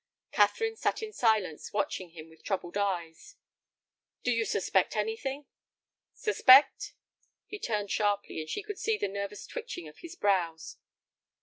Catherine sat in silence, watching him with troubled eyes. "Do you suspect anything?" "Suspect?" He turned sharply, and she could see the nervous twitching of his brows.